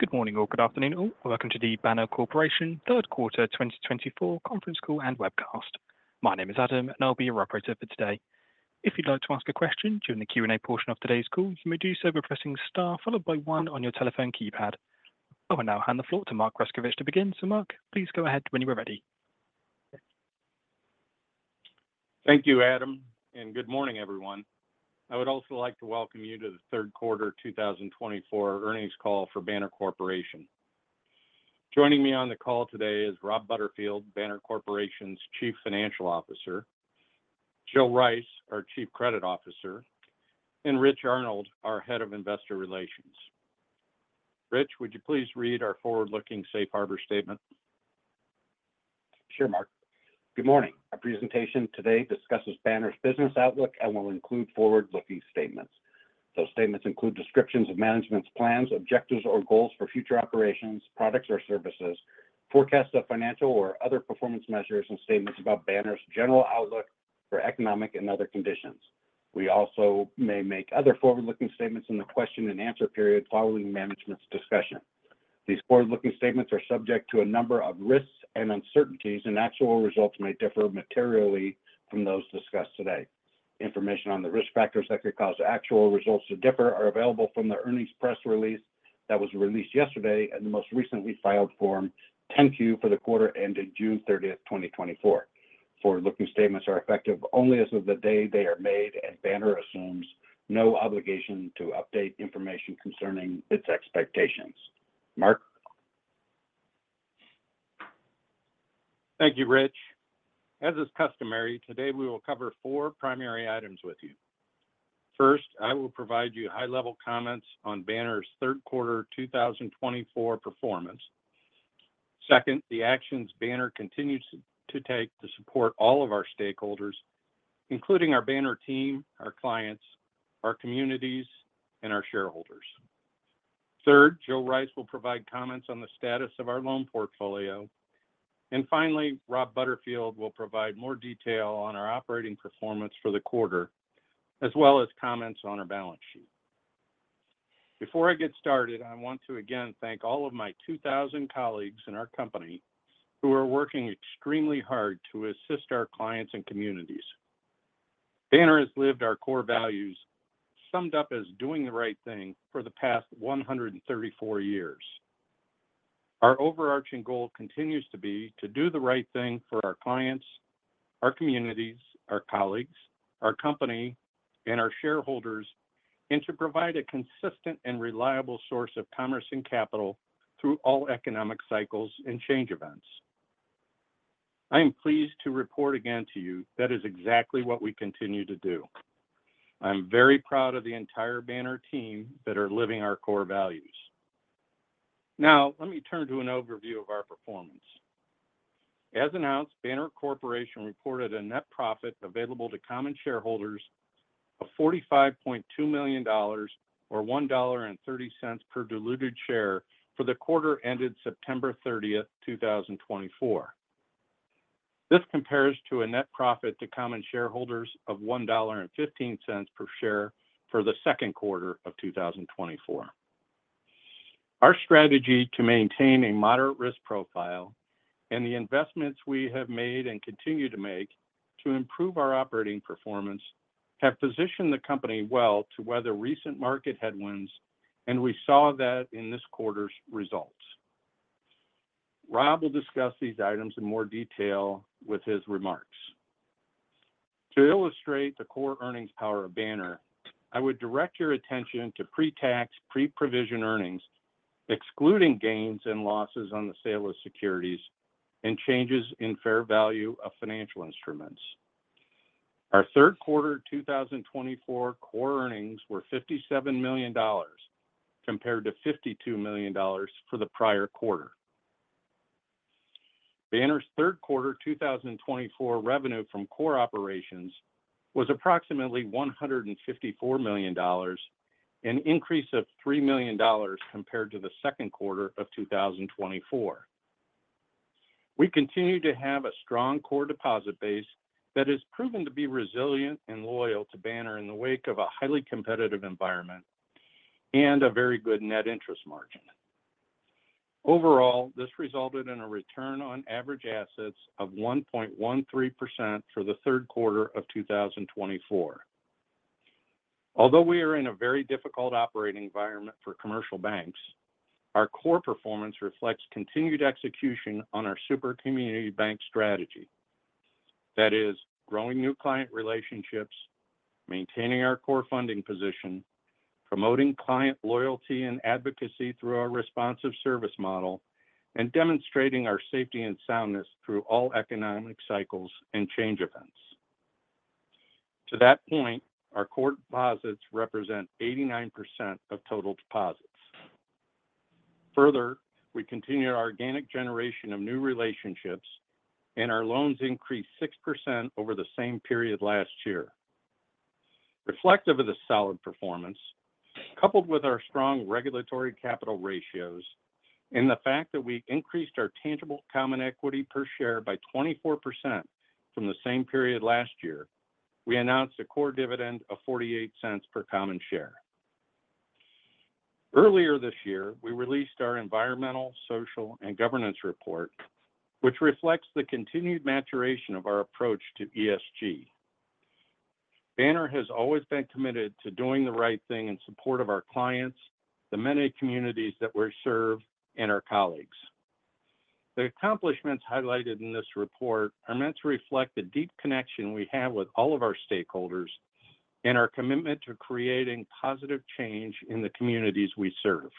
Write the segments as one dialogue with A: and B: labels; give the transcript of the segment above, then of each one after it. A: Good morning, or good afternoon, all. Welcome to the Banner Corporation third quarter 2024 conference call and webcast. My name is Adam, and I'll be your operator for today. If you'd like to ask a question during the Q&A portion of today's call, you may do so by pressing star followed by one on your telephone keypad. I will now hand the floor to Mark Grescovich to begin. So Mark, please go ahead when you are ready.
B: Thank you, Adam, and good morning, everyone. I would also like to welcome you to the third quarter two thousand and twenty-four earnings call for Banner Corporation. Joining me on the call today is Rob Butterfield, Banner Corporation's Chief Financial Officer, Jill Rice, our Chief Credit Officer, and Rich Arnold, our Head of Investor Relations. Rich, would you please read our forward-looking safe harbor statement?
C: Sure, Mark. Good morning. Our presentation today discusses Banner's business outlook and will include forward-looking statements. Those statements include descriptions of management's plans, objectives, or goals for future operations, products, or services, forecasts of financial or other performance measures, and statements about Banner's general outlook for economic and other conditions. We also may make other forward-looking statements in the question and answer period following management's discussion. These forward-looking statements are subject to a number of risks and uncertainties, and actual results may differ materially from those discussed today. Information on the risk factors that could cause actual results to differ are available from the earnings press release that was released yesterday and the most recently filed Form 10-Q for the quarter ending June thirtieth, twenty twenty-four. Forward-looking statements are effective only as of the day they are made, and Banner assumes no obligation to update information concerning its expectations. Mark?
B: Thank you, Rich. As is customary, today we will cover four primary items with you. First, I will provide you high-level comments on Banner's third quarter 2024 performance. Second, the actions Banner continues to take to support all of our stakeholders, including our Banner team, our clients, our communities, and our shareholders. Third, Jill Rice will provide comments on the status of our loan portfolio. And finally, Rob Butterfield will provide more detail on our operating performance for the quarter, as well as comments on our balance sheet. Before I get started, I want to again thank all of my 2,000 colleagues in our company who are working extremely hard to assist our clients and communities. Banner has lived our core values, summed up as doing the right thing, for the past 134 years. Our overarching goal continues to be to do the right thing for our clients, our communities, our colleagues, our company, and our shareholders, and to provide a consistent and reliable source of commerce and capital through all economic cycles and change events. I am pleased to report again to you, that is exactly what we continue to do. I'm very proud of the entire Banner team that are living our core values. Now, let me turn to an overview of our performance. As announced, Banner Corporation reported a net profit available to common shareholders of $45.2 million or $1.30 per diluted share for the quarter ended September thirtieth, two thousand and twenty-four. This compares to a net profit to common shareholders of $1.15 per share for the second quarter of two thousand and twenty-four. Our strategy to maintain a moderate risk profile and the investments we have made and continue to make to improve our operating performance, have positioned the company well to weather recent market headwinds, and we saw that in this quarter's results. Rob will discuss these items in more detail with his remarks. To illustrate the core earnings power of Banner, I would direct your attention to pre-tax, pre-provision earnings, excluding gains and losses on the sale of securities and changes in fair value of financial instruments. Our third quarter two thousand and twenty-four core earnings were $57 million, compared to $52 million for the prior quarter. Banner's third quarter two thousand and twenty-four revenue from core operations was approximately $154 million, an increase of $3 million compared to the second quarter of two thousand and twenty-four. We continue to have a strong core deposit base that has proven to be resilient and loyal to Banner in the wake of a highly competitive environment and a very good net interest margin. Overall, this resulted in a return on average assets of 1.13% for the third quarter of 2024. Although we are in a very difficult operating environment for commercial banks, our core performance reflects continued execution on our super community bank strategy. That is, growing new client relationships, maintaining our core funding position, promoting client loyalty and advocacy through our responsive service model, and demonstrating our safety and soundness through all economic cycles and change events. To that point, our core deposits represent 89% of total deposits. Further, we continue our organic generation of new relationships, and our loans increased 6% over the same period last year. Reflective of the solid performance, coupled with our strong regulatory capital ratios and the fact that we increased our tangible common equity per share by 24% from the same period last year, we announced a core dividend of $0.48 per common share. Earlier this year, we released our environmental, social, and governance report, which reflects the continued maturation of our approach to ESG. Banner has always been committed to doing the right thing in support of our clients, the many communities that we serve, and our colleagues. The accomplishments highlighted in this report are meant to reflect the deep connection we have with all of our stakeholders and our commitment to creating positive change in the communities we serve.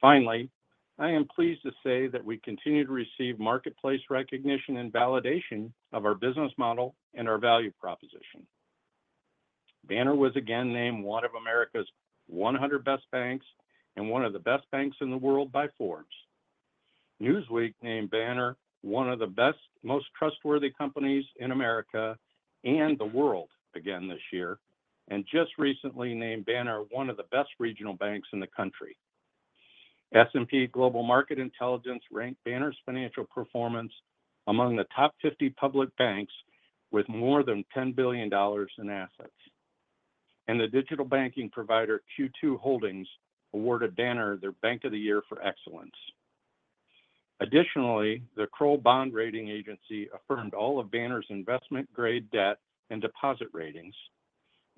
B: Finally, I am pleased to say that we continue to receive marketplace recognition and validation of our business model and our value proposition. Banner was again named one of America's 100 best banks and one of the best banks in the world by Forbes. Newsweek named Banner one of the best, most trustworthy companies in America and the world again this year, and just recently named Banner one of the best regional banks in the country. S&P Global Market Intelligence ranked Banner's financial performance among the top 50 public banks with more than $10 billion in assets. And the digital banking provider Q2 Holdings awarded Banner their Bank of the Year for Excellence. Additionally, the Kroll Bond Rating Agency affirmed all of Banner's investment-grade debt and deposit ratings.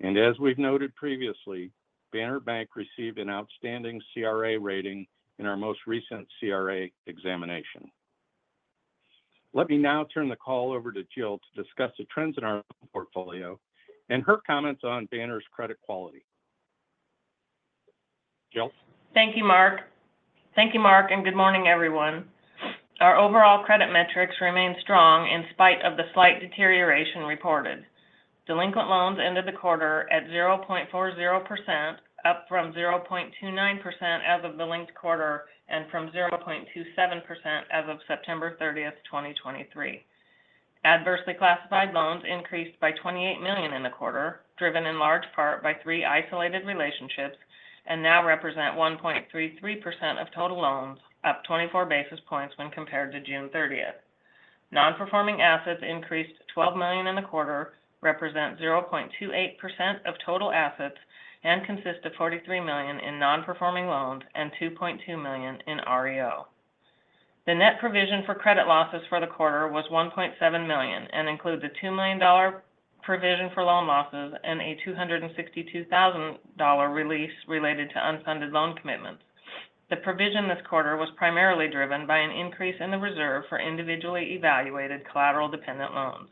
B: And as we've noted previously, Banner Bank received an outstanding CRA rating in our most recent CRA examination. Let me now turn the call over to Jill to discuss the trends in our portfolio and her comments on Banner's credit quality. Jill?
D: Thank you, Mark. Thank you, Mark, and good morning, everyone. Our overall credit metrics remain strong in spite of the slight deterioration reported. Delinquent loans ended the quarter at 0.40%, up from 0.29% as of the linked quarter and from 0.27% as of September 30th, 2023. Adversely classified loans increased by $28 million in the quarter, driven in large part by three isolated relationships, and now represent 1.33% of total loans, up 24 basis points when compared to June 30th. Non-performing assets increased $12 million in the quarter, represent 0.28% of total assets, and consist of $43 million in non-performing loans and $2.2 million in REO. The net provision for credit losses for the quarter was $1.7 million and includes a $2 million provision for loan losses and a $262,000 release related to unfunded loan commitments. The provision this quarter was primarily driven by an increase in the reserve for individually evaluated collateral-dependent loans.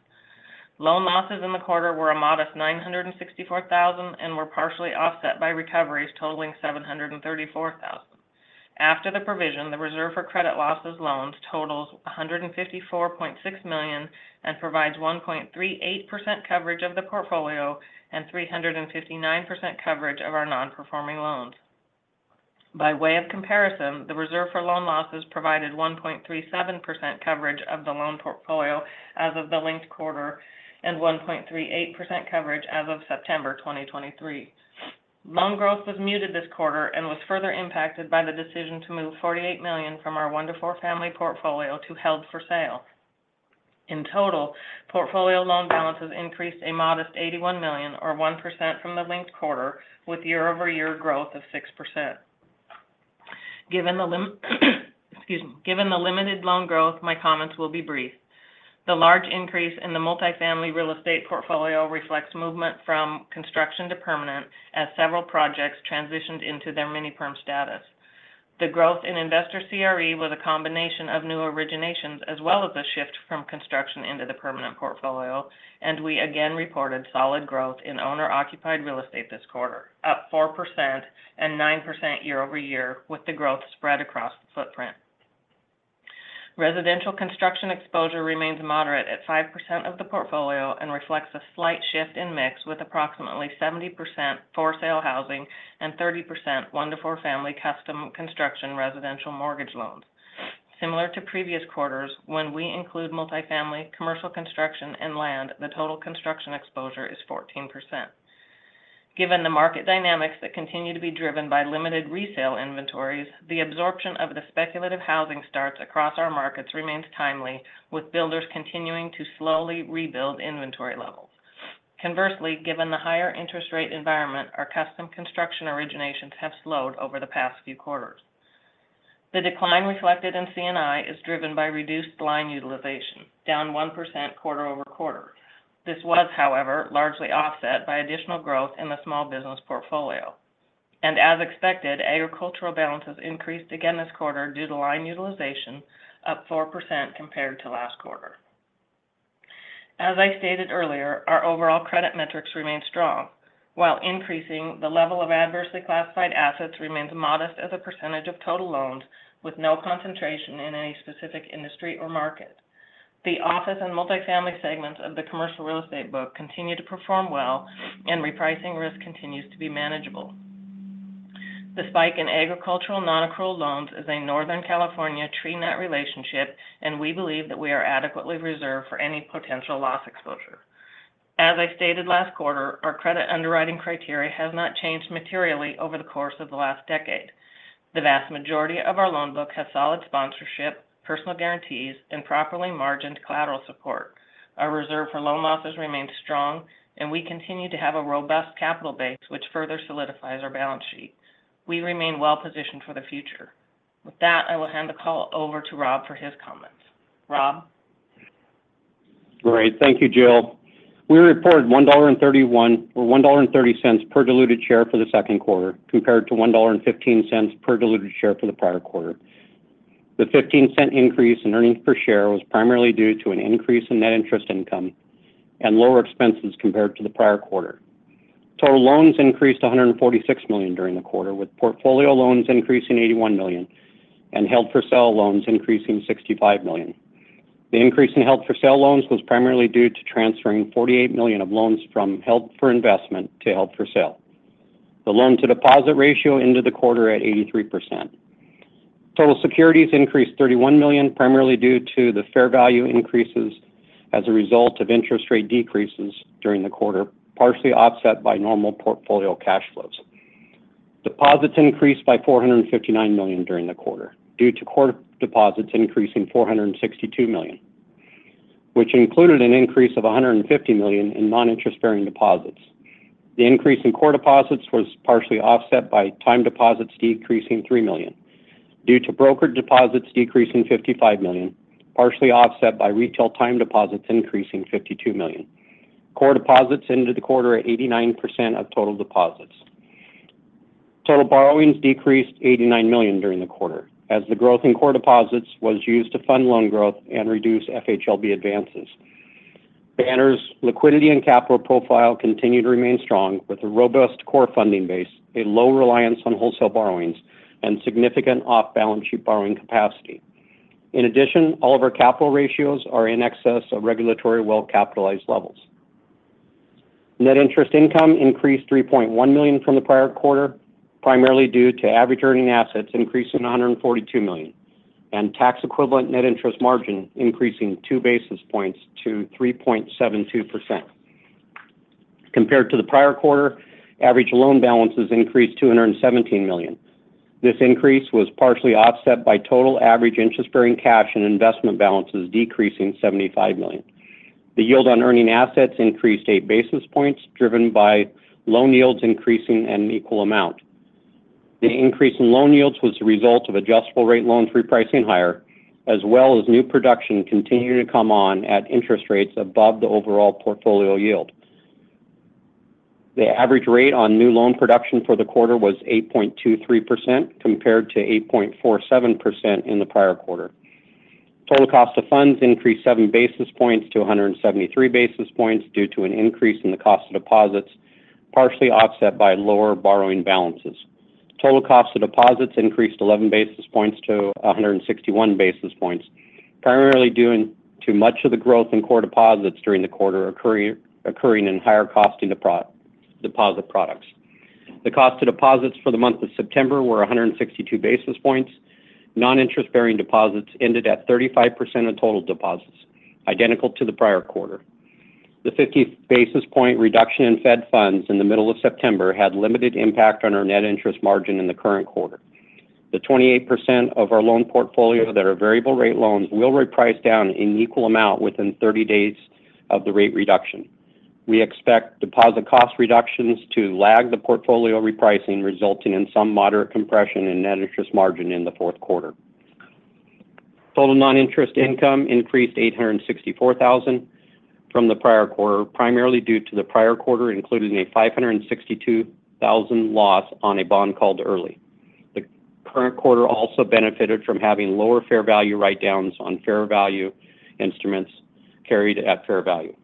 D: Loan losses in the quarter were a modest $964,000 and were partially offset by recoveries totaling $734,000. After the provision, the reserve for credit losses loans totals $154.6 million and provides 1.38% coverage of the portfolio and 359% coverage of our non-performing loans. By way of comparison, the reserve for loan losses provided 1.37% coverage of the loan portfolio as of the linked quarter and 1.38% coverage as of September 2023. Loan growth was muted this quarter and was further impacted by the decision to move $48 million from our one-to-four family portfolio to held for sale. In total, portfolio loan balances increased a modest $81 million or 1% from the linked quarter, with year-over-year growth of 6%. Given the limited loan growth, my comments will be brief. The large increase in the multifamily real estate portfolio reflects movement from construction to permanent as several projects transitioned into their mini-perm status. The growth in investor CRE was a combination of new originations as well as a shift from construction into the permanent portfolio, and we again reported solid growth in owner-occupied real estate this quarter, up 4% and 9% year-over-year, with the growth spread across the footprint. Residential construction exposure remains moderate at 5% of the portfolio and reflects a slight shift in mix, with approximately 70% for-sale housing and 30% one-to-four family custom construction residential mortgage loans. Similar to previous quarters, when we include multifamily, commercial construction, and land, the total construction exposure is 14%. Given the market dynamics that continue to be driven by limited resale inventories, the absorption of the speculative housing starts across our markets remains timely, with builders continuing to slowly rebuild inventory levels. Conversely, given the higher interest rate environment, our custom construction originations have slowed over the past few quarters. The decline reflected in CNI is driven by reduced line utilization, down 1% quarter over quarter. This was, however, largely offset by additional growth in the small business portfolio, and as expected, agricultural balances increased again this quarter due to line utilization, up 4% compared to last quarter. As I stated earlier, our overall credit metrics remain strong. While increasing, the level of adversely classified assets remains modest as a percentage of total loans, with no concentration in any specific industry or market. The office and multifamily segments of the commercial real estate book continue to perform well, and repricing risk continues to be manageable. The spike in agricultural nonaccrual loans is a Northern California tree nut relationship, and we believe that we are adequately reserved for any potential loss exposure. As I stated last quarter, our credit underwriting criteria has not changed materially over the course of the last decade. The vast majority of our loan book has solid sponsorship, personal guarantees, and properly margined collateral support. Our reserve for loan losses remains strong, and we continue to have a robust capital base, which further solidifies our balance sheet. We remain well-positioned for the future. With that, I will hand the call over to Rob for his comments. Rob?
E: Great. Thank you, Jill. We reported $1.31—or $1.30 per diluted share for the second quarter, compared to $1.15 per diluted share for the prior quarter. The 15-cent increase in earnings per share was primarily due to an increase in net interest income and lower expenses compared to the prior quarter. Total loans increased to $146 million during the quarter, with portfolio loans increasing $81 million and held-for-sale loans increasing $65 million. The increase in held-for-sale loans was primarily due to transferring $48 million of loans from held for investment to held for sale. The loan-to-deposit ratio ended the quarter at 83%. Total securities increased $31 million, primarily due to the fair value increases as a result of interest rate decreases during the quarter, partially offset by normal portfolio cash flows. Deposits increased by $459 million during the quarter, due to core deposits increasing $462 million, which included an increase of $150 million in non-interest-bearing deposits. The increase in core deposits was partially offset by time deposits decreasing $3 million, due to brokered deposits decreasing $55 million, partially offset by retail time deposits increasing $52 million. Core deposits ended the quarter at 89% of total deposits. Total borrowings decreased $89 million during the quarter, as the growth in core deposits was used to fund loan growth and reduce FHLB advances. Banner's liquidity and capital profile continued to remain strong, with a robust core funding base, a low reliance on wholesale borrowings, and significant off-balance sheet borrowing capacity. In addition, all of our capital ratios are in excess of regulatory well-capitalized levels. Net interest income increased $3.1 million from the prior quarter, primarily due to average earning assets increasing $142 million, and tax-equivalent net interest margin increasing 2 basis points to 3.72%. Compared to the prior quarter, average loan balances increased $217 million. This increase was partially offset by total average interest-bearing cash and investment balances decreasing $75 million. The yield on earning assets increased 8 basis points, driven by loan yields increasing an equal amount. The increase in loan yields was a result of adjustable-rate loans repricing higher, as well as new production continuing to come on at interest rates above the overall portfolio yield. The average rate on new loan production for the quarter was 8.23%, compared to 8.47% in the prior quarter. Total cost of funds increased seven basis points to a hundred and seventy-three basis points due to an increase in the cost of deposits, partially offset by lower borrowing balances. Total cost of deposits increased eleven basis points to a hundred and sixty-one basis points, primarily due to much of the growth in core deposits during the quarter occurring in higher costing deposit products. The cost of deposits for the month of September were a hundred and sixty-two basis points. Non-interest-bearing deposits ended at 35% of total deposits, identical to the prior quarter. The fifty basis point reduction in Fed funds in the middle of September had limited impact on our net interest margin in the current quarter. The 28% of our loan portfolio that are variable rate loans will reprice down in equal amount within thirty days of the rate reduction. We expect deposit cost reductions to lag the portfolio repricing, resulting in some moderate compression in net interest margin in the fourth quarter. Total non-interest income increased $864,000 from the prior quarter, primarily due to the prior quarter including a $562,000 loss on a bond called early. The current quarter also benefited from having lower fair value write-downs on fair value instruments carried at fair value.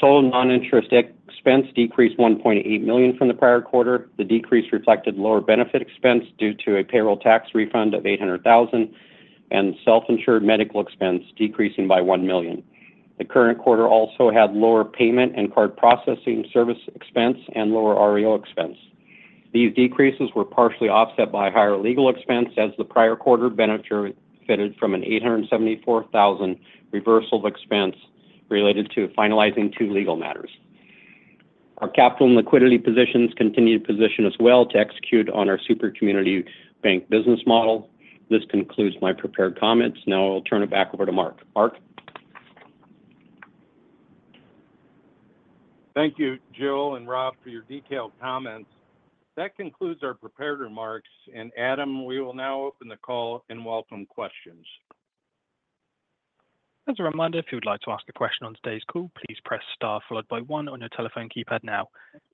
E: Total non-interest expense decreased $1.8 million from the prior quarter. The decrease reflected lower benefit expense due to a payroll tax refund of $800,000 and self-insured medical expense decreasing by $1 million. The current quarter also had lower payment and card processing service expense and lower REO expense. These decreases were partially offset by higher legal expense as the prior quarter benefited from an $874,000 reversal of expense related to finalizing two legal matters. Our capital and liquidity positions continued to position us well to execute on our super community bank business model. This concludes my prepared comments. Now I'll turn it back over to Mark. Mark?
B: Thank you, Jill and Rob, for your detailed comments. That concludes our prepared remarks, and Adam, we will now open the call and welcome questions.
A: As a reminder, if you'd like to ask a question on today's call, please press star, followed by one on your telephone keypad now.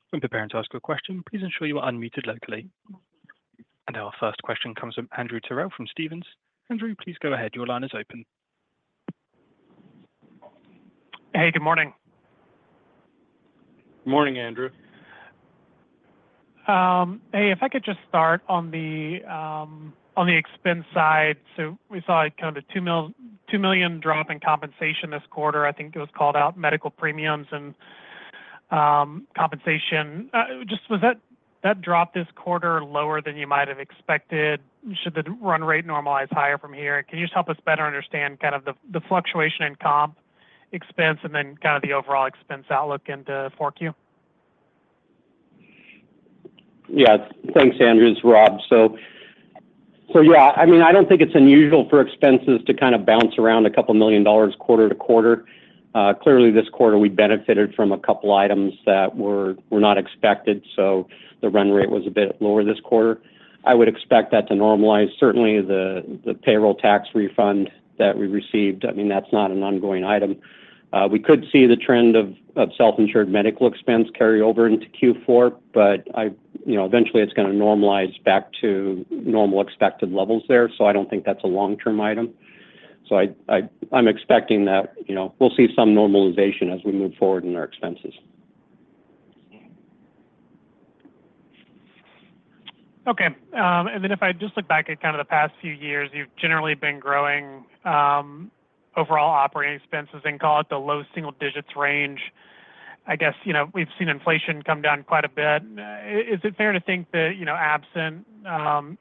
A: When preparing to ask a question, please ensure you are unmuted locally, and our first question comes from Andrew Terrell from Stephens. Andrew, please go ahead. Your line is open.
F: Hey, good morning.
B: Morning, Andrew.
F: Hey, if I could just start on the expense side. So we saw a kind of a $2 million drop in compensation this quarter. I think it was called out medical premiums, and-... compensation. Just was that drop this quarter lower than you might have expected? Should the run rate normalize higher from here? Can you just help us better understand kind of the fluctuation in comp expense and then kind of the overall expense outlook into 4Q?
E: Yeah. Thanks, Andrew. It's Rob. So yeah, I mean, I don't think it's unusual for expenses to kind of bounce around $2 million quarter to quarter. Clearly this quarter, we benefited from a couple items that were not expected, so the run rate was a bit lower this quarter. I would expect that to normalize. Certainly, the payroll tax refund that we received, I mean, that's not an ongoing item. We could see the trend of self-insured medical expense carry over into Q4, but I, you know, eventually it's gonna normalize back to normal expected levels there, so I don't think that's a long-term item. So I'm expecting that, you know, we'll see some normalization as we move forward in our expenses.
F: Okay. And then if I just look back at kind of the past few years, you've generally been growing overall operating expenses and call it the low single digits range. I guess, you know, we've seen inflation come down quite a bit. Is it fair to think that, you know, absent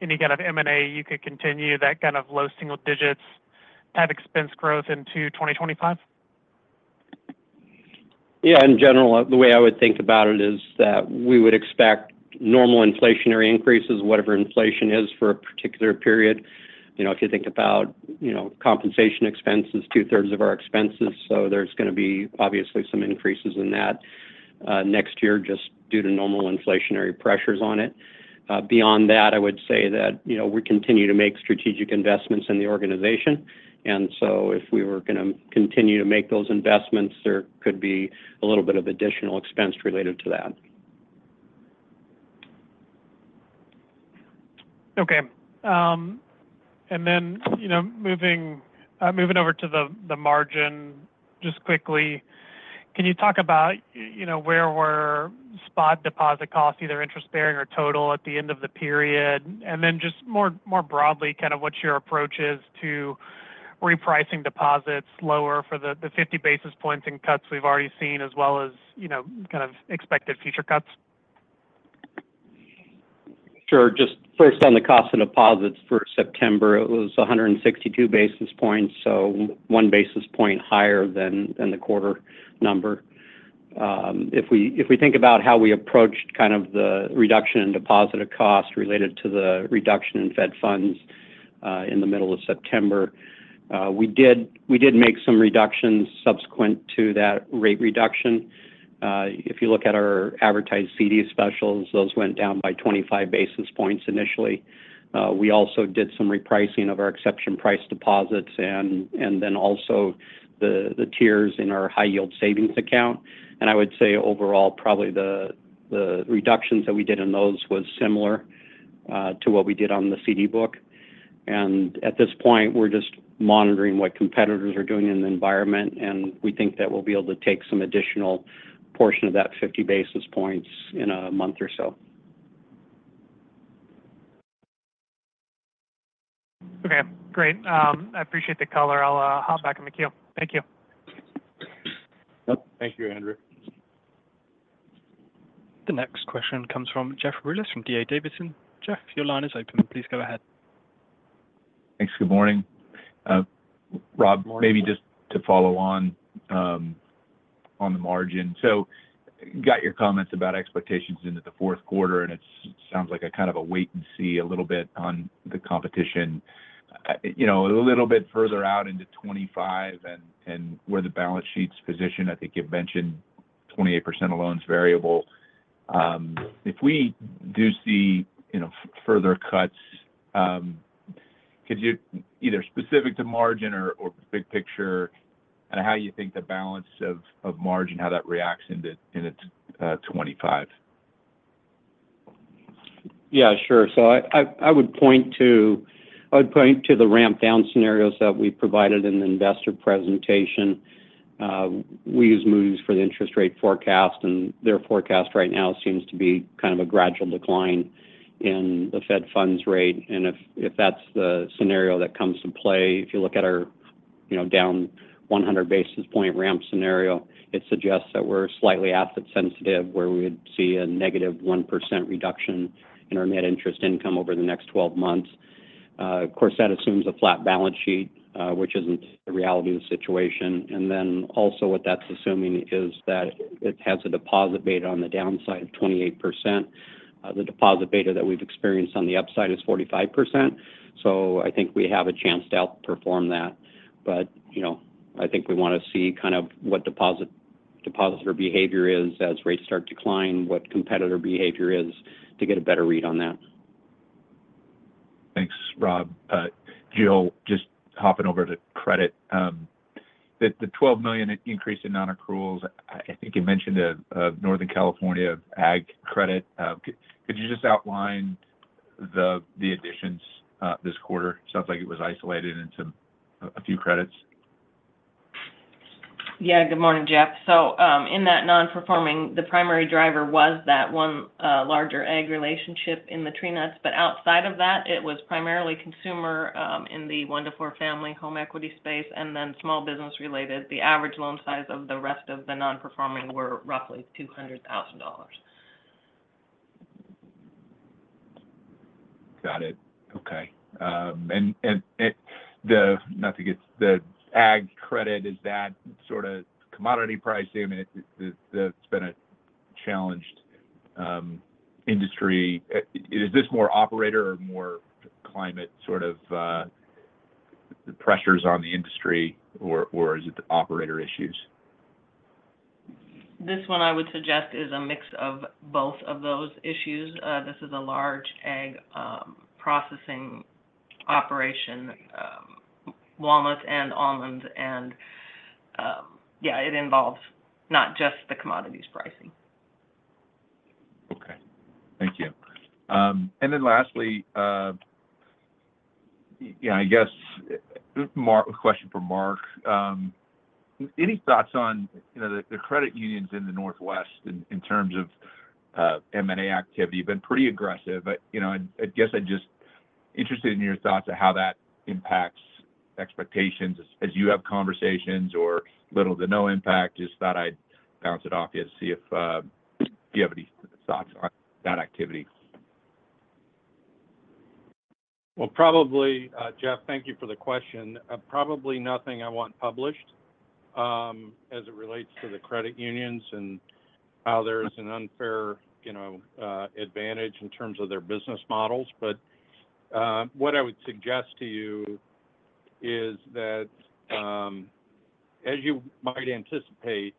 F: any kind of M&A, you could continue that kind of low single digits type expense growth into twenty twenty-five?
E: Yeah, in general, the way I would think about it is that we would expect normal inflationary increases, whatever inflation is for a particular period. You know, if you think about, you know, compensation expense is two-thirds of our expenses, so there's gonna be obviously some increases in that, next year just due to normal inflationary pressures on it. Beyond that, I would say that, you know, we continue to make strategic investments in the organization, and so if we were gonna continue to make those investments, there could be a little bit of additional expense related to that.
F: Okay. And then, you know, moving over to the margin just quickly, can you talk about, you know, where were spot deposit costs, either interest-bearing or total at the end of the period? And then just more broadly, kind of what's your approaches to repricing deposits lower for the fifty basis points and cuts we've already seen, as well as, you know, kind of expected future cuts?
E: Sure. Just first on the cost of deposits for September, it was 162 basis points, so 1 basis point higher than the quarter number. If we think about how we approached kind of the reduction in deposit of cost related to the reduction in Fed funds in the middle of September, we did make some reductions subsequent to that rate reduction. If you look at our advertised CD specials, those went down by 25 basis points initially. We also did some repricing of our exception price deposits and then also the tiers in our high-yield savings account. And I would say overall, probably the reductions that we did in those was similar to what we did on the CD book. At this point, we're just monitoring what competitors are doing in the environment, and we think that we'll be able to take some additional portion of that 50 basis points in a month or so.
F: Okay, great. I appreciate the color. I'll hop back in the queue. Thank you.
E: Yep. Thank you, Andrew.
A: The next question comes from Jeff Rulis from D.A. Davidson. Jeff, your line is open. Please go ahead.
G: Thanks. Good morning. Rob-
E: Good morning.
G: Maybe just to follow on, on the margin. So got your comments about expectations into the fourth quarter, and it sounds like a kind of a wait and see a little bit on the competition. You know, a little bit further out into twenty-five and, and where the balance sheet's positioned, I think you've mentioned 28% of loans variable. If we do see, you know, further cuts, could you either specific to margin or, or big picture on how you think the balance of, of margin, how that reacts into, into, twenty-five?
E: Yeah, sure. I would point to the ramp down scenarios that we provided in the investor presentation. We use Moody's for the interest rate forecast, and their forecast right now seems to be kind of a gradual decline in the Fed funds rate. And if that's the scenario that comes to play, if you look at our, you know, down 100 basis point ramp scenario, it suggests that we're slightly asset sensitive, where we would see a negative 1% reduction in our net interest income over the next 12 months. Of course, that assumes a flat balance sheet, which isn't the reality of the situation. And then also what that's assuming is that it has a deposit beta on the downside of 28%. The deposit beta that we've experienced on the upside is 45%. So I think we have a chance to outperform that. But, you know, I think we want to see kind of what depositor behavior is as rates start to decline, what competitor behavior is to get a better read on that.
G: Thanks, Rob. Jill, just hopping over to credit. The $12 million increase in non-accruals, I think you mentioned the Northern California ag credit. Could you just outline the additions this quarter? Sounds like it was isolated into a few credits.
D: Yeah. Good morning, Jeff. In that non-performing, the primary driver was that one larger ag relationship in the tree nuts, but outside of that, it was primarily consumer in the one-to-four family home equity space, and then small business related. The average loan size of the rest of the non-performing were roughly $200,000....
G: Got it. Okay. And not to get the ag credit, is that sort of commodity pricing? I mean, it's been a challenged industry. Is this more operator or more climate sort of pressures on the industry, or is it the operator issues?
D: This one I would suggest is a mix of both of those issues. This is a large ag processing operation, walnuts and almonds, and yeah, it involves not just the commodities pricing.
G: Okay. Thank you. And then lastly, you know, I guess, Mark, a question for Mark. Any thoughts on, you know, the credit unions in the Northwest in terms of M&A activity? Been pretty aggressive, but, you know, I guess I'm just interested in your thoughts on how that impacts expectations as you have conversations or little to no impact. Just thought I'd bounce it off you to see if you have any thoughts on that activity.
B: Probably, Jeff, thank you for the question. Probably nothing I want published, as it relates to the credit unions and how there's an unfair, you know, advantage in terms of their business models. What I would suggest to you is that, as you might anticipate,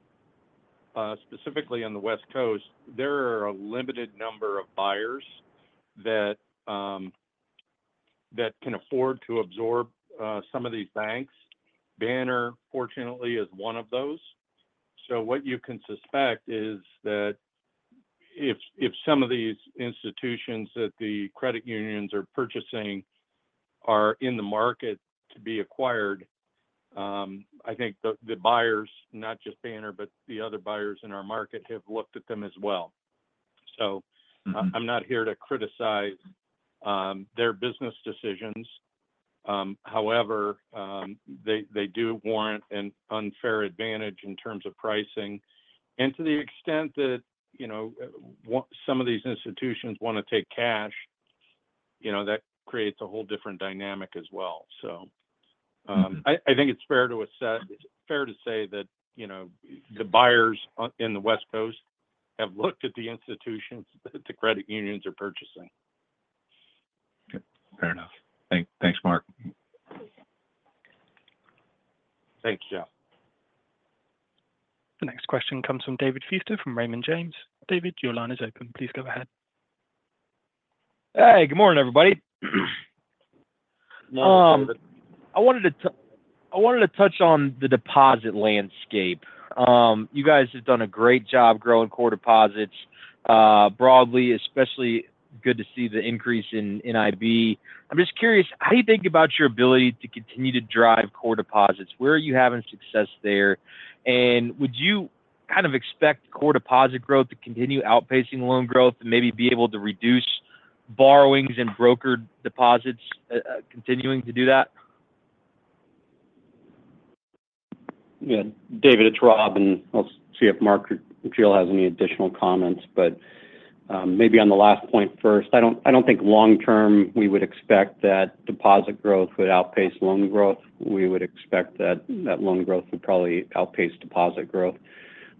B: specifically on the West Coast, there are a limited number of buyers that can afford to absorb some of these banks. Banner, fortunately, is one of those. So what you can suspect is that if some of these institutions that the credit unions are purchasing are in the market to be acquired, I think the buyers, not just Banner, but the other buyers in our market, have looked at them as well. So-
G: Mm-hmm
B: I'm not here to criticize, their business decisions. However, they do warrant an unfair advantage in terms of pricing. And to the extent that, you know, some of these institutions want to take cash, you know, that creates a whole different dynamic as well. So,
G: Mm-hmm
B: I think it's fair to assess, it's fair to say that, you know, the buyers in the West Coast have looked at the institutions that the credit unions are purchasing.
G: Okay, fair enough. Thanks, Mark.
B: Thank you, Jeff.
A: The next question comes from David Feaster, from Raymond James. David, your line is open. Please go ahead.
H: Hey, good morning, everybody. I wanted to touch on the deposit landscape. You guys have done a great job growing core deposits, broadly, especially good to see the increase in IB. I'm just curious, how do you think about your ability to continue to drive core deposits? Where are you having success there? And would you kind of expect core deposit growth to continue outpacing loan growth and maybe be able to reduce borrowings and brokered deposits, continuing to do that?
E: Yeah. David, it's Rob, and I'll see if Mark or Jill has any additional comments. But maybe on the last point first, I don't think long term we would expect that deposit growth would outpace loan growth. We would expect that loan growth would probably outpace deposit growth.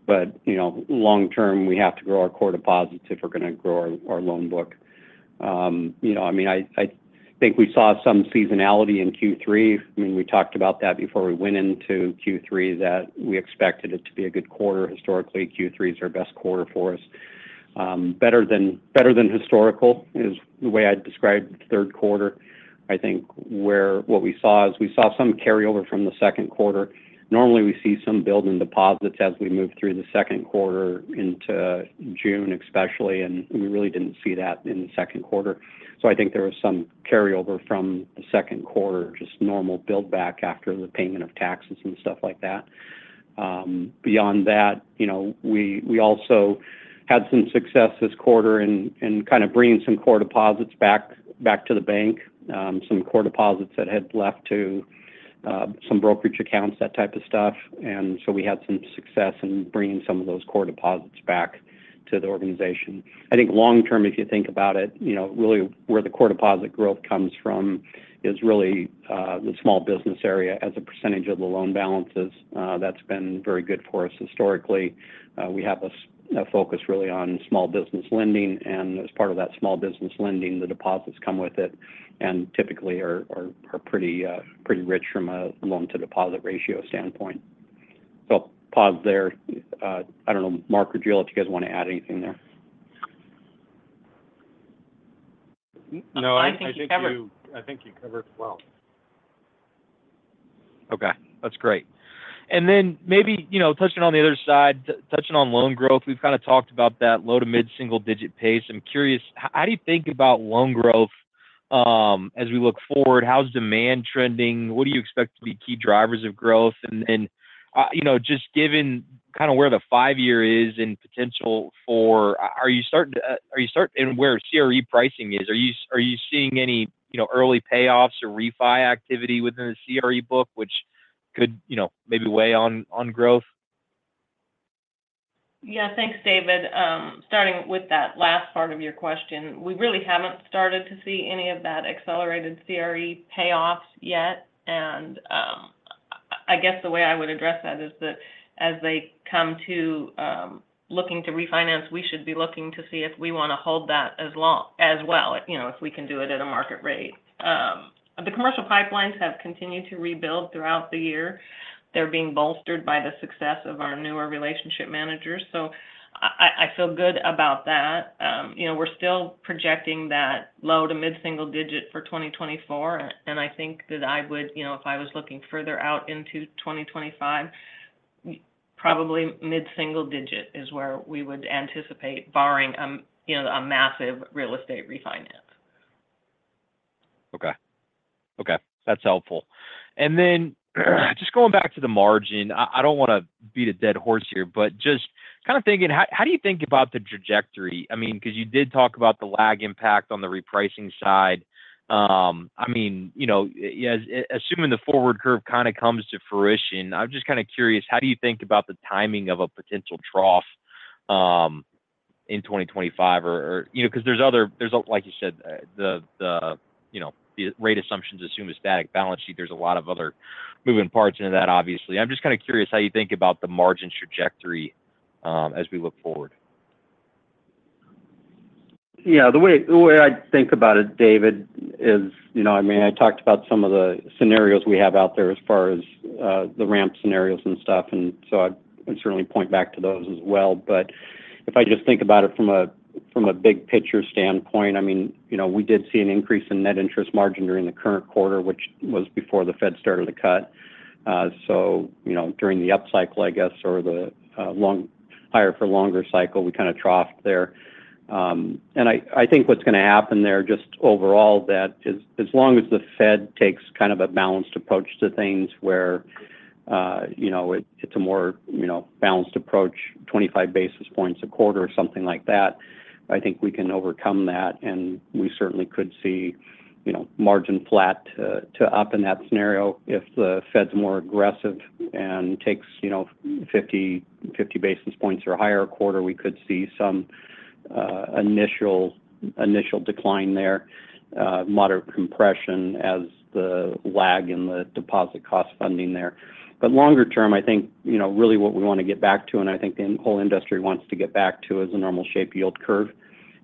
E: But you know, long term, we have to grow our core deposits if we're going to grow our loan book. You know, I mean, I think we saw some seasonality in Q3. I mean, we talked about that before we went into Q3, that we expected it to be a good quarter. Historically, Q3 is our best quarter for us. Better than historical is the way I'd describe the third quarter. I think what we saw is we saw some carryover from the second quarter. Normally, we see some build in deposits as we move through the second quarter into June especially, and we really didn't see that in the second quarter. So I think there was some carryover from the second quarter, just normal build back after the payment of taxes and stuff like that. Beyond that, you know, we also had some success this quarter in kind of bringing some core deposits back to the bank. Some core deposits that had left to some brokerage accounts, that type of stuff. And so we had some success in bringing some of those core deposits back to the organization. I think long term, if you think about it, you know, really where the core deposit growth comes from is really the small business area as a percentage of the loan balances. That's been very good for us historically. We have a focus really on small business lending, and as part of that small business lending, the deposits come with it, and typically are pretty rich from a loan-to-deposit ratio standpoint. So I'll pause there. I don't know, Mark or Jill, if you guys want to add anything there.
B: No, I think you-
D: I think you covered it.
B: I think you covered it well.
H: Okay, that's great. And then maybe, you know, touching on the other side, touching on loan growth, we've kind of talked about that low to mid-single digit pace. I'm curious, how do you think about loan growth, as we look forward? How's demand trending? What do you expect to be key drivers of growth? And you know, just given kind of where the five-year is and potential for... Are you starting to and where CRE pricing is, are you seeing any, you know, early payoffs or refi activity within the CRE book, which could, you know, maybe weigh on growth?...
D: Yeah, thanks, David. Starting with that last part of your question, we really haven't started to see any of that accelerated CRE payoffs yet. And, I guess the way I would address that is that as they come to looking to refinance, we should be looking to see if we want to hold that as long as well, you know, if we can do it at a market rate. The commercial pipelines have continued to rebuild throughout the year. They're being bolstered by the success of our newer relationship managers. So I feel good about that. You know, we're still projecting that low- to mid-single-digit for 2024. I think that I would, you know, if I was looking further out into 2025, probably mid single digit is where we would anticipate barring, you know, a massive real estate refinance.
H: Okay. Okay, that's helpful. And then, just going back to the margin, I don't want to beat a dead horse here, but just kind of thinking, how do you think about the trajectory? I mean, because you did talk about the lag impact on the repricing side. I mean, you know, yeah, assuming the forward curve kind of comes to fruition, I'm just kind of curious, how do you think about the timing of a potential trough, in twenty twenty-five? Or, you know, because there's, like you said, the, you know, the rate assumptions assume a static balance sheet. There's a lot of other moving parts into that, obviously. I'm just kind of curious how you think about the margin trajectory, as we look forward.
E: Yeah, the way I think about it, David, is, you know, I mean, I talked about some of the scenarios we have out there as far as, the ramp scenarios and stuff, and so I'd certainly point back to those as well. But if I just think about it from a big picture standpoint, I mean, you know, we did see an increase in net interest margin during the current quarter, which was before the Fed started to cut. So, you know, during the upcycle, I guess, or the, long-higher for longer cycle, we kind of troughed there. And I think what's going to happen there, just overall, that as long as the Fed takes kind of a balanced approach to things where, you know, it's a more, you know, balanced approach, twenty-five basis points a quarter or something like that, I think we can overcome that, and we certainly could see, you know, margin flat to up in that scenario. If the Fed's more aggressive and takes, you know, fifty basis points or higher a quarter, we could see some initial decline there, moderate compression as the lag in the deposit cost funding there. But longer term, I think, you know, really what we want to get back to, and I think the whole industry wants to get back to, is a normal shape yield curve.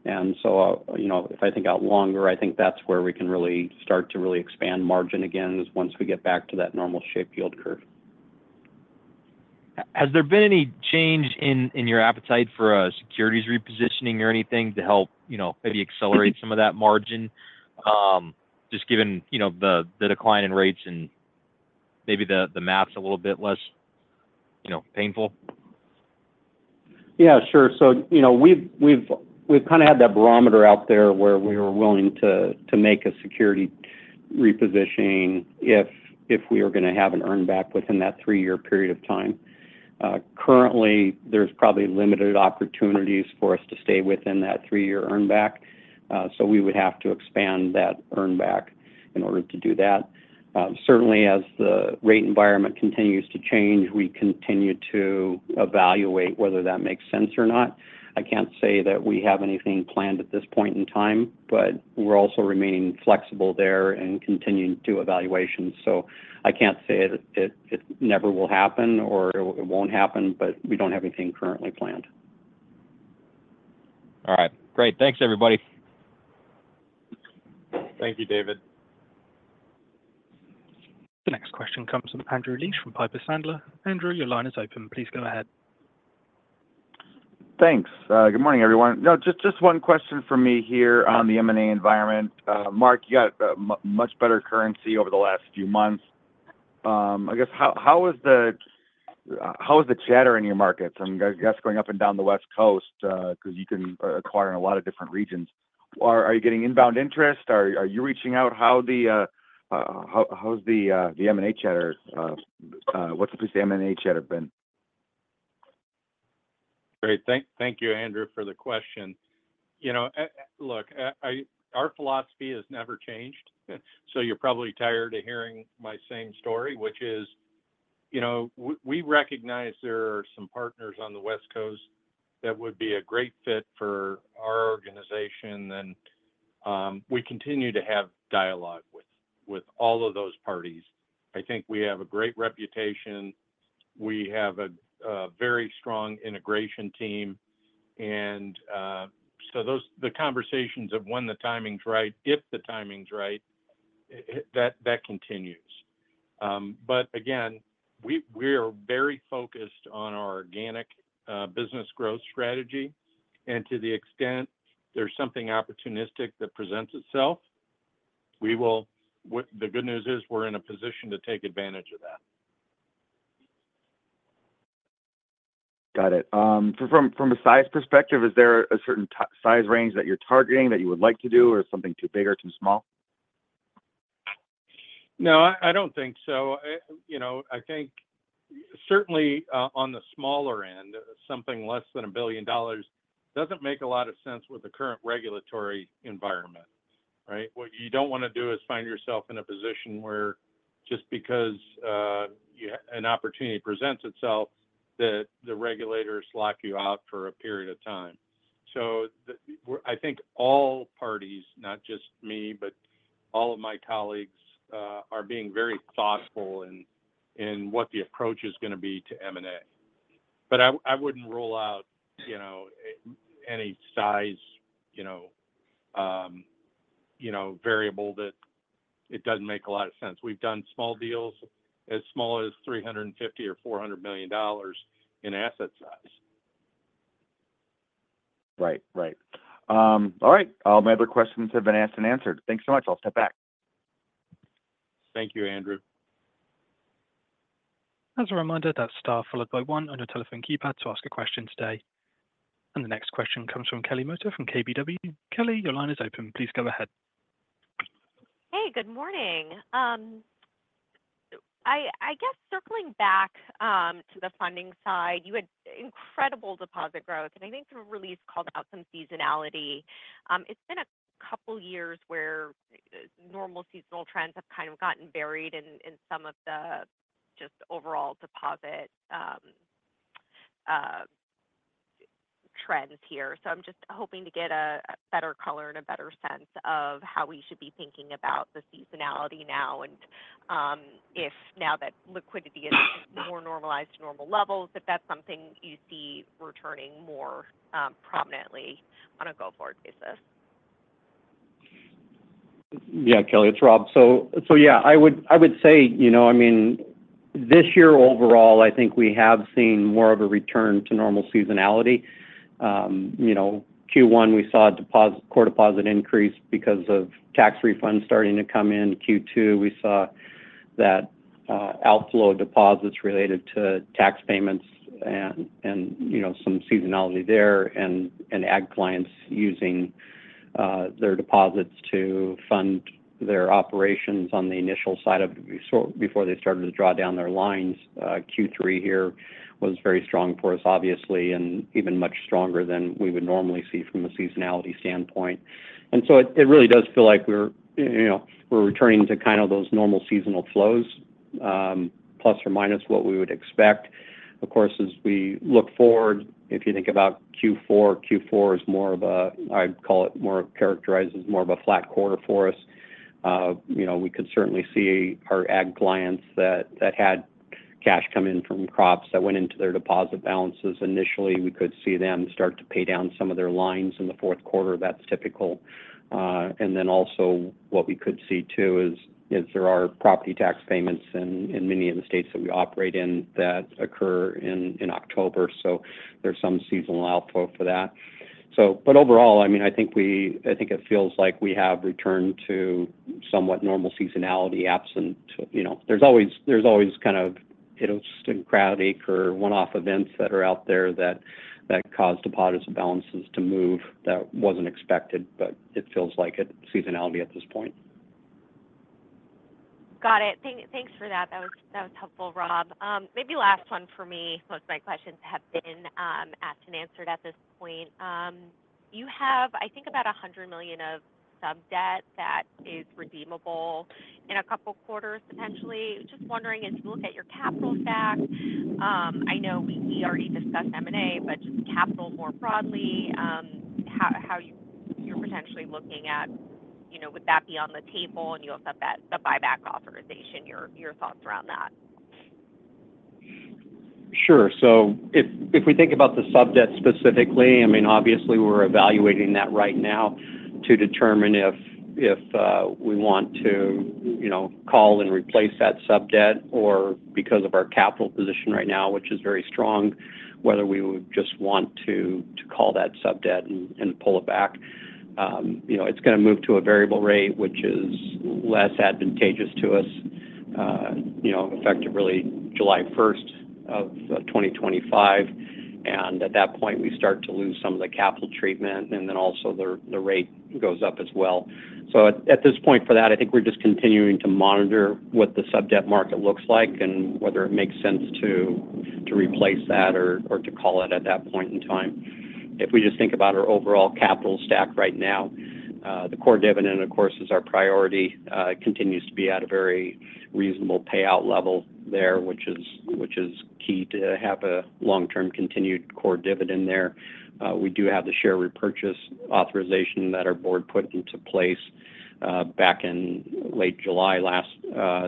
E: And so, you know, if I think out longer, I think that's where we can really start to really expand margin again, is once we get back to that normal shape yield curve.
H: Has there been any change in your appetite for a securities repositioning or anything to help, you know, maybe accelerate some of that margin? Just given, you know, the decline in rates and maybe the math's a little bit less, you know, painful.
E: Yeah, sure. So, you know, we've kind of had that barometer out there where we were willing to make a security repositioning if we are going to have an earn back within that three-year period of time. Currently, there's probably limited opportunities for us to stay within that three-year earn back, so we would have to expand that earn back in order to do that. Certainly, as the rate environment continues to change, we continue to evaluate whether that makes sense or not. I can't say that we have anything planned at this point in time, but we're also remaining flexible there and continuing to do evaluations. So I can't say it never will happen or it won't happen, but we don't have anything currently planned.
H: All right, great. Thanks, everybody.
B: Thank you, David.
A: The next question comes from Andrew Liesch from Piper Sandler. Andrew, your line is open. Please go ahead.
I: Thanks. Good morning, everyone. Now, just one question from me here on the M&A environment. Mark, you got a much better currency over the last few months. I guess, how is the chatter in your markets? And I guess going up and down the West Coast, because you can acquire in a lot of different regions. Are you getting inbound interest? Are you reaching out? How's the M&A chatter? What's the M&A chatter been?
B: Great. Thank you, Andrew, for the question. You know, look, our philosophy has never changed, so you're probably tired of hearing my same story, which is: you know, we recognize there are some partners on the West Coast that would be a great fit for our organization, and we continue to have dialogue with all of those parties. I think we have a great reputation. We have a very strong integration team, and so the conversations of when the timing's right, if the timing's right, continues. But again, we are very focused on our organic business growth strategy, and to the extent there's something opportunistic that presents itself, the good news is we're in a position to take advantage of that.
I: Got it. From a size perspective, is there a certain size range that you're targeting that you would like to do, or is something too big or too small?
B: No, I don't think so. You know, I think certainly on the smaller end, something less than $1 billion doesn't make a lot of sense with the current regulatory environment. Right? What you don't want to do is find yourself in a position where just because an opportunity presents itself, that the regulators lock you out for a period of time. So we're. I think all parties, not just me, but all of my colleagues, are being very thoughtful in what the approach is gonna be to M&A. But I wouldn't rule out, you know, any size, you know, you know, variable that it doesn't make a lot of sense. We've done small deals as small as $350 million or $400 million in asset size.
I: Right. Right. All right. All my other questions have been asked and answered. Thanks so much. I'll step back.
B: Thank you, Andrew.
A: As a reminder, that's star followed by one on your telephone keypad to ask a question today. And the next question comes from Kelly Motta from KBW. Kelly, your line is open. Please go ahead.
J: Hey, good morning. I guess circling back to the funding side, you had incredible deposit growth, and I think the release called out some seasonality. It's been a couple years where normal seasonal trends have kind of gotten buried in some of the just overall deposit trends here. So I'm just hoping to get a better color and a better sense of how we should be thinking about the seasonality now, and if now that liquidity is more normalized to normal levels, if that's something you see returning more prominently on a go-forward basis.
E: Yeah, Kelly, it's Rob. So yeah, I would say, you know, I mean, this year overall, I think we have seen more of a return to normal seasonality. You know, Q1, we saw a deposit core deposit increase because of tax refunds starting to come in. Q2, we saw that outflow of deposits related to tax payments and, you know, some seasonality there, and ag clients using their deposits to fund their operations on the initial side of before they started to draw down their lines. Q3 here was very strong for us, obviously, and even much stronger than we would normally see from a seasonality standpoint. And so it really does feel like we're, you know, we're returning to kind of those normal seasonal flows, plus or minus what we would expect. Of course, as we look forward, if you think about Q4, Q4 is more of a, I'd call it more, characterized as more of a flat quarter for us. You know, we could certainly see our ag clients that had cash come in from crops that went into their deposit balances initially. We could see them start to pay down some of their lines in the fourth quarter. That's typical, and then also what we could see, too, is there are property tax payments in many of the states that we operate in that occur in October, so there's some seasonal outflow for that. But overall, I mean, I think it feels like we have returned to somewhat normal seasonality, absent to. You know, there's always, there's always kind of idiosyncratic or one-off events that are out there that, that cause deposit balances to move that wasn't expected, but it feels like it seasonality at this point.
J: Got it. Thanks for that. That was helpful, Rob. Maybe last one for me. Most of my questions have been asked and answered at this point. You have, I think, about $100 million of subdebt that is redeemable in a couple quarters, potentially. Just wondering, as you look at your capital stack, I know we already discussed M&A, but just capital more broadly, how you're potentially looking at, you know, would that be on the table and you also have that, the buyback authorization, your thoughts around that?
E: Sure. So if we think about the subdebt specifically, I mean, obviously we're evaluating that right now to determine if we want to, you know, call and replace that subdebt or because of our capital position right now, which is very strong, whether we would just want to call that subdebt and pull it back. You know, it's gonna move to a variable rate, which is less advantageous to us, you know, effectively July 1st of 2025. And at that point, we start to lose some of the capital treatment, and then also the rate goes up as well. So at this point, for that, I think we're just continuing to monitor what the subdebt market looks like and whether it makes sense to replace that or to call it at that point in time. If we just think about our overall capital stack right now, the core dividend, of course, is our priority. It continues to be at a very reasonable payout level there, which is key to have a long-term continued core dividend there. We do have the share repurchase authorization that our board put into place, back in late July last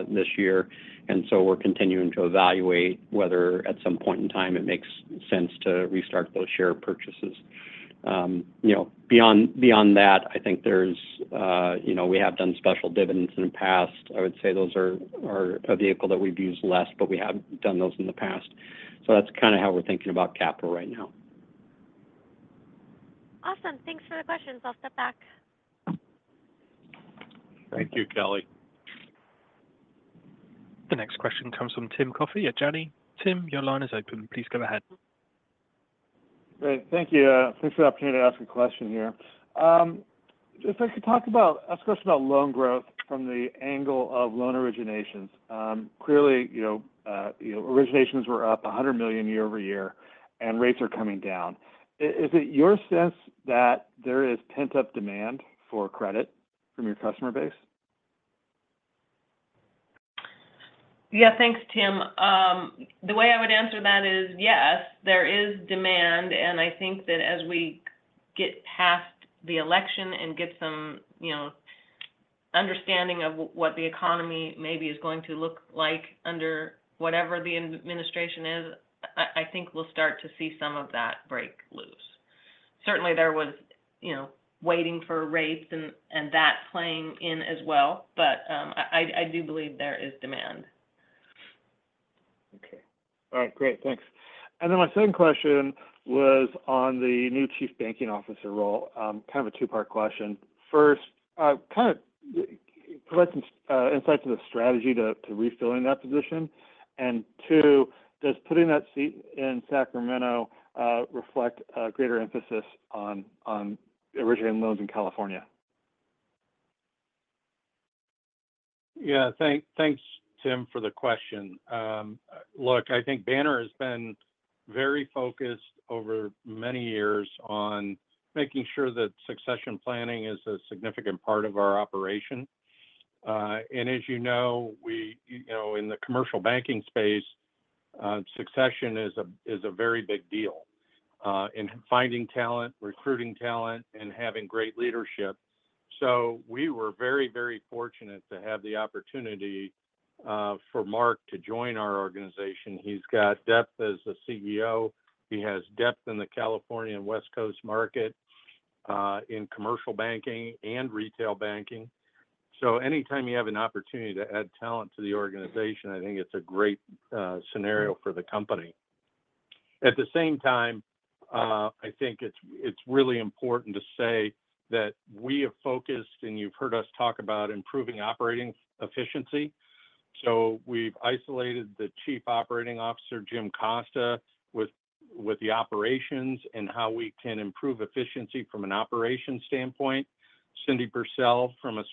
E: this year, and so we're continuing to evaluate whether at some point in time, it makes sense to restart those share purchases. You know, beyond that, I think there's, you know, we have done special dividends in the past. I would say those are a vehicle that we've used less, but we have done those in the past, so that's kind of how we're thinking about capital right now.
J: Awesome. Thanks for the questions. I'll step back.
E: Thank you, Kelly.
A: The next question comes from Tim Coffey at Janney. Tim, your line is open. Please go ahead.
K: Great. Thank you. Thanks for the opportunity to ask a question here. If I could ask a question about loan growth from the angle of loan originations. Clearly, you know, originations were up $100 million year over year, and rates are coming down. Is it your sense that there is pent-up demand for credit from your customer base?
D: Yeah, thanks, Tim. The way I would answer that is, yes, there is demand, and I think that as we get past the election and get some, you know, understanding of what the economy maybe is going to look like under whatever the administration is, I think we'll start to see some of that break loose. Certainly, there was, you know, waiting for rates and that playing in as well, but I do believe there is demand.
K: Okay. All right, great. Thanks. And then my second question was on the new chief banking officer role, kind of a two-part question. First, kind of provide some insight to the strategy to refilling that position. And two, does putting that seat in Sacramento reflect a greater emphasis on originating loans in California?
B: Yeah. Thanks, Tim, for the question. Look, I think Banner has been very focused over many years on making sure that succession planning is a significant part of our operation. And as you know, you know, in the commercial banking space, succession is a very big deal in finding talent, recruiting talent, and having great leadership. So we were very, very fortunate to have the opportunity for Mark to join our organization. He's got depth as a CEO. He has depth in the California and West Coast market in commercial banking and retail banking. So anytime you have an opportunity to add talent to the organization, I think it's a great scenario for the company. At the same time, I think it's really important to say that we have focused, and you've heard us talk about improving operating efficiency, so we've isolated the Chief Operating Officer, Jim Costa, with the operations and how we can improve efficiency from an operations standpoint, Cindy Purcell from a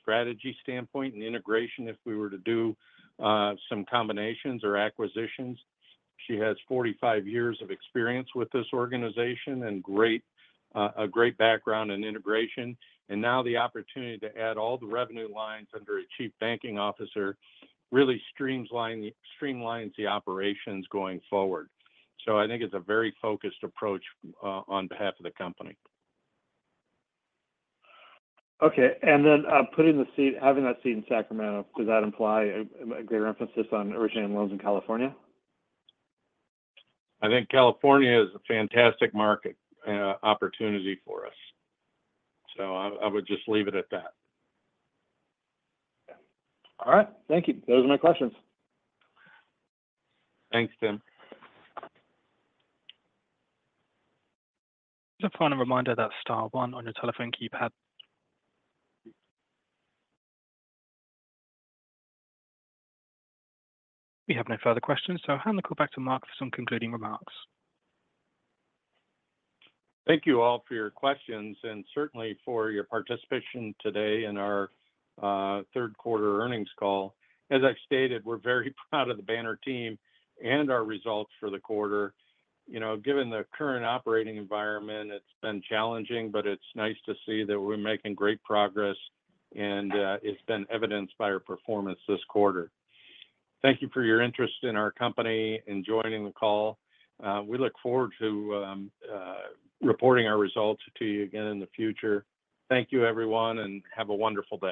B: strategy standpoint and integration, if we were to do some combinations or acquisitions. She has 45 years of experience with this organization and a great background in integration, and now the opportunity to add all the revenue lines under a Chief Banking Officer really streamlines the operations going forward, so I think it's a very focused approach on behalf of the company.
K: Okay. And then, putting the seat, having that seat in Sacramento, does that imply a greater emphasis on originating loans in California?
B: I think California is a fantastic market, opportunity for us, so I would just leave it at that.
K: All right. Thank you. Those are my questions.
B: Thanks, Tim.
A: Just a final reminder, that's star one on your telephone keypad. We have no further questions, so I'll hand the call back to Mark for some concluding remarks.
B: Thank you all for your questions and certainly for your participation today in our third quarter earnings call. As I've stated, we're very proud of the Banner team and our results for the quarter. You know, given the current operating environment, it's been challenging, but it's nice to see that we're making great progress, and it's been evidenced by our performance this quarter. Thank you for your interest in our company and joining the call. We look forward to reporting our results to you again in the future. Thank you, everyone, and have a wonderful day.